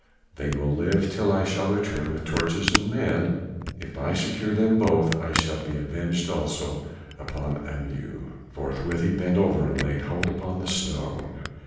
They will live till I shall return with torches and men. If I secure them both, I shall be avenged also upon Amu." Forthwith he bent over and laid hold upon the stone.